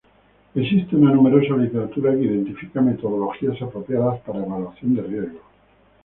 Existe una numerosa literatura que identifica metodologías apropiadas para evaluación de riesgos.